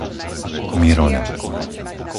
Miroľa